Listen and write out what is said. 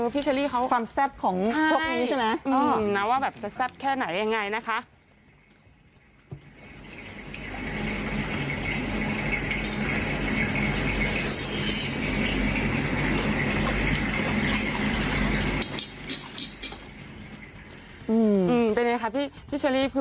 เป็นยังไงครับพี่เชอรี่